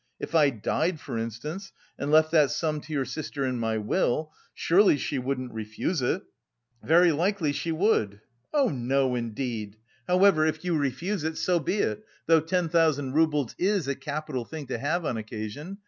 If I died, for instance, and left that sum to your sister in my will, surely she wouldn't refuse it?" "Very likely she would." "Oh, no, indeed. However, if you refuse it, so be it, though ten thousand roubles is a capital thing to have on occasion.